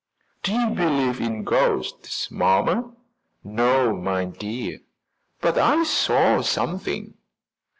"Do you believe in ghosts, mamma?" "No, my dear." "But I saw something."